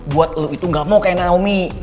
buat lu itu gak mau kayak naomi